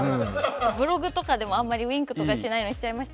ブログとかでも、あまりウインクとかしないのに、しちゃいました。